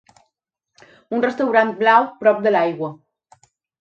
Un restaurant blau prop de l'aigua.